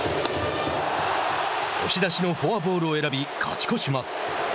押し出しのフォアボールを選び勝ち越します。